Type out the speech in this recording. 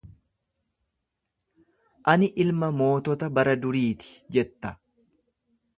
Ani ilma mootota bara duriiti jetta?